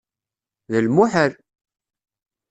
D lmuḥal!